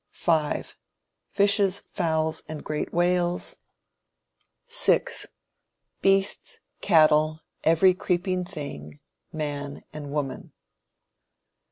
5. Fishes, fowls, and great whales. 6. Beasts, cattle, every creeping thing, man and woman.